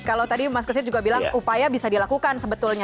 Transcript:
kalau tadi mas kesit juga bilang upaya bisa dilakukan sebetulnya